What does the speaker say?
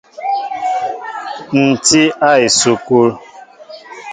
Ǹ tí a esukul.